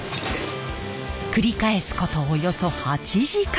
繰り返すことおよそ８時間。